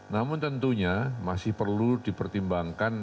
namun tentunya masih perlu dipertimbangkan